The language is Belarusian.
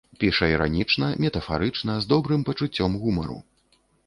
Піша іранічна, метафарычна, з добрым пачуццём гумару.